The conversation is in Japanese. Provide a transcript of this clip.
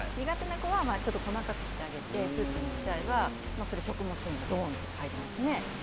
苦手な子はちょっと細かくしてあげてスープにしちゃえばそれ食物繊維がどんと入りますね。